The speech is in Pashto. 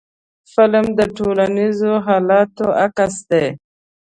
فلم د ټولنیزو حالاتو عکس دی